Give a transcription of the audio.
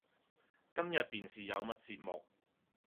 今日電視有乜節目？